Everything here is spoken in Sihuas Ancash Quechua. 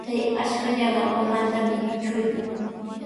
Chay ashkallaqa mamantami trutruykan.